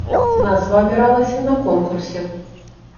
Назва абіралася на конкурсе.